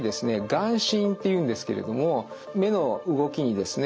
眼振っていうんですけれども目の動きにですね